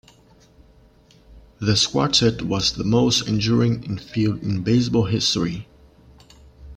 This quartet was the most enduring infield in baseball history.